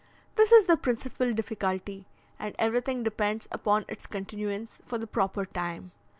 This is the principal difficulty, and everything depends upon its continuance for the proper time.